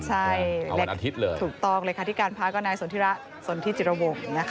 ใช่ถูกต้องเลยค่ะที่การพักกับนายสนทิระสนทิจิรวงศ์